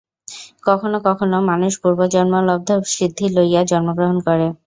কখনও কখনও মানুষ পূর্বজন্মলব্ধ সিদ্ধি লইয়া জন্মগ্রহণ করে।